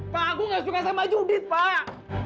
pak aku harus tunangan sama yudit pak